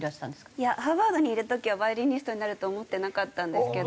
いやハーバードにいる時はバイオリニストになるとは思ってなかったんですけど。